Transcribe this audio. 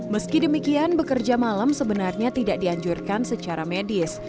meski demikian bekerja malam sebenarnya tidak dianjurkan secara medis